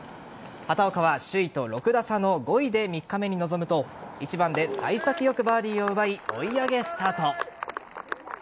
畑岡は首位と６打差の５位で３日目に臨むと１番で幸先良くバーディーを奪い追い上げスタート。